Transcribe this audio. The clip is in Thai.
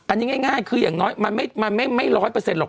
อันนี้ง่ายคืออย่างน้อยมันไม่๑๐๐หรอก